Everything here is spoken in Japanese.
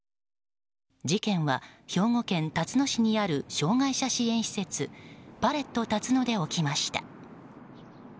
事件は、兵庫県たつの市にある障害者支援施設パレットたつので起きました。